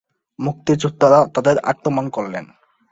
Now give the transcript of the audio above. মুক্তিযোদ্ধারা তাদের আক্রমণ করলেন।